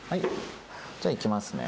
じゃあいきますね。